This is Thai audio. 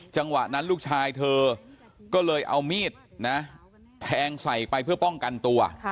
จังหวะนั้นลูกชายเธอก็เลยเอามีดนะแทงใส่ไปเพื่อป้องกันตัว